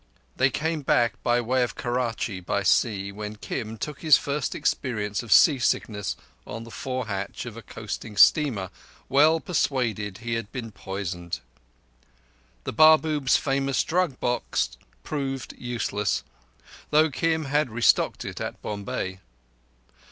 They came back by way of Karachi by sea, when Kim took his first experience of sea sickness sitting on the fore hatch of a coasting steamer, well persuaded he had been poisoned. The Babu's famous drug box proved useless, though Kim had restocked it at Bombay.